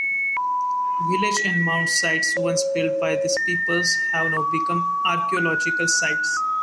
Village and mound sites once built by these peoples have now become archaeological sites.